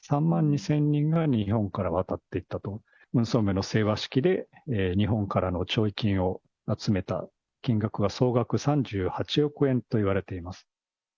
３万２０００人が日本から渡っていったと、ムン・ソンミョンの聖和式で日本からの弔慰金を集めた金額は、総額３８億円といわれています。